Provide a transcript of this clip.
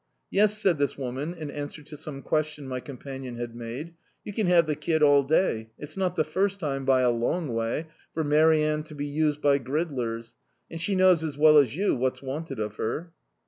"Yes," said this woman, in answer to sane question my companion had made, "you can have the kid all day; it's not the first time, by a long way, for Mary Ann to be used by gridlers, and she Imows as well as you what's wanted of her."